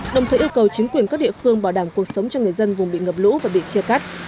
đồng thời yêu cầu chính quyền các địa phương bảo đảm cuộc sống cho người dân vùng bị ngập lũ và bị chia cắt